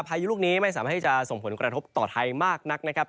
พายุลูกนี้ไม่สามารถที่จะส่งผลกระทบต่อไทยมากนักนะครับ